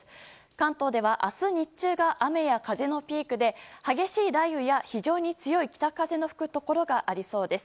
関東では明日日中が雨や風のピークで激しい雷雨や、非常に強い北風の吹くところがありそうです。